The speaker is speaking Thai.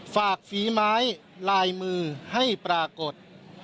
ฝีไม้ลายมือให้ปรากฏ